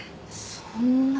そんな。